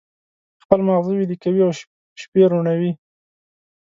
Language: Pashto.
خپل مازغه ویلي کوي او شپې روڼوي.